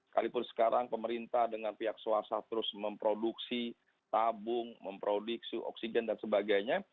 kalipun sekarang pemerintah dengan pihak swasta terus memproduksi tabung memproduksi oksigen dan sebagainya